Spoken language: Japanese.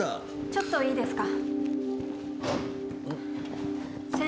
「ちょっといいですか？」